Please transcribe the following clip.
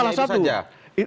nah itu salah satu